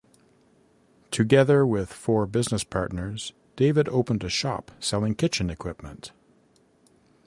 Together with four business partners, David opened a shop selling kitchen equipment.